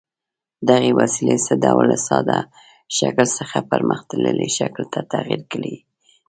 دغې وسیلې څه ډول له ساده شکل څخه پرمختللي شکل ته تغیر کړی دی؟